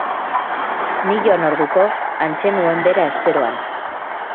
Ni joan orduko, hantxe nuen bera esperoan.